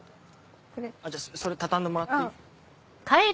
それ畳んでもらっていい？